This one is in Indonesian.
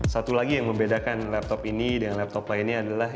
satu lagi yang membedakan laptop ini dengan laptop lainnya adalah